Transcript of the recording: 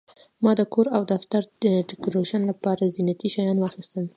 ما د کور او دفتر د ډیکوریشن لپاره زینتي شیان واخیستل.